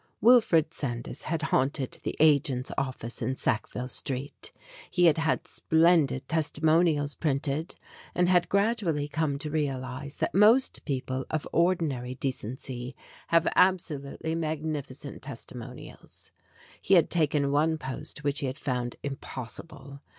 Wilfred Sandys had haunted the agents' office in Sackville Street. He had had splendid testimonials printed, and had gradually come to realize that most people of ordinary decency have absolutely magnifi cent testimonials. He had taken one post which he had found impossible.